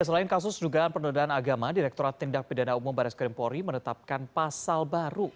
selain kasus dugaan penundaan agama direkturat tindak bidana umum baris krim polri menetapkan pasal baru